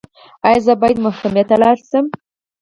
ایا زه باید محکمې ته لاړ شم؟